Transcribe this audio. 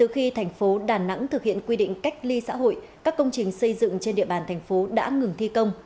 thành phố đà nẵng thực hiện quy định cách ly xã hội các công trình xây dựng trên địa bàn thành phố đã ngừng thi công